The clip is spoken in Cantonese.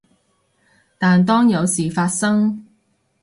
但當有事發生